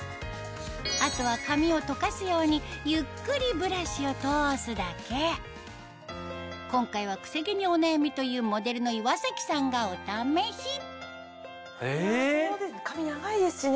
あとは髪をとかすようにゆっくりブラシを通すだけ今回は癖毛にお悩みというモデルの岩崎さんがお試し髪長いですしね